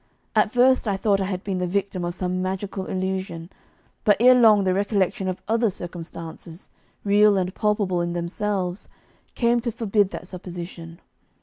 At first I thought I had been the victim of some magical illusion, but ere long the recollection of other circumstances, real and palpable in themselves, came to forbid that supposition.